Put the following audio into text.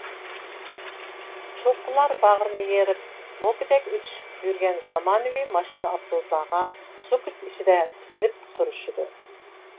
چوققىلار باغرىنى يېرىپ، موكىدەك ئۆتۈشۈپ يۈرگەن زامانىۋى ماشىنا-ئاپتوبۇسلارغا سۈكۈت ئىچىدە تىكىلىپ تۇرۇشىدۇ.